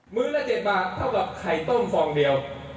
ื้อละ๗บาทเท่ากับไข่ต้มฟองเดียว